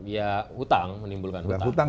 ya utang menimbulkan utang